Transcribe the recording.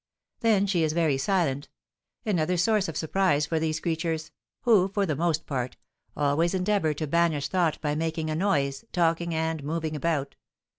Then she is very silent, another source of surprise for these creatures, who, for the most part, always endeavour to banish thought by making a noise, talking, and moving about.